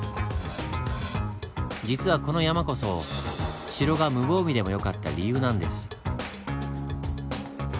実はこの山こそ城が無防備でもよかった理由なんです。